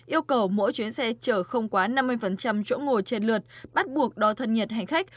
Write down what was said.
yêu cầu mỗi chuyến xe chở không quá năm mươi chỗ ngồi trên lượt bắt buộc đo thân nhiệt hành khách